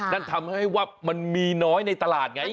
นั่นทำให้ว่ามันมีน้อยในตลาดไง